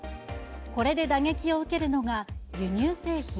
これで打撃を受けるのが、輸入製品。